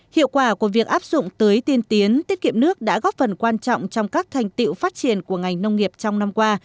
hiệu quả của việc áp dụng tưới tiên tiến tiết kiệm nước đã góp phần quan trọng trong các thành tiệu phát triển của ngành nông nghiệp trong năm qua